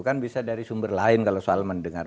kan bisa dari sumber lain kalau soal mendengar